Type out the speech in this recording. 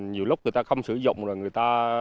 chỉ riêng từ đầu năm hai nghìn hai mươi ba đến nay